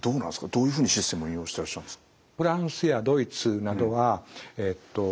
どういうふうにシステム運用してらっしゃるんですか？